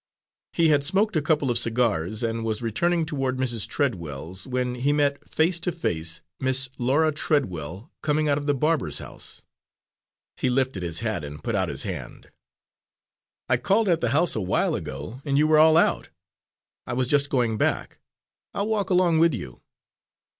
He had smoked a couple of cigars, and was returning toward Mrs. Treadwells', when he met, face to face, Miss Laura Treadwell coming out of the barber's house. He lifted his hat and put out his hand. "I called at the house a while ago, and you were all out. I was just going back. I'll walk along with you."